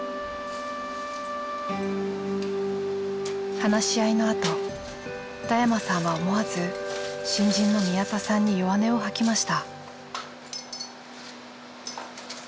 話し合いのあと田山さんは思わず新人の宮田さんに弱音を吐きました。